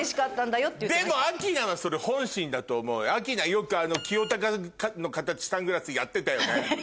よく清貴の形サングラスやってたよね。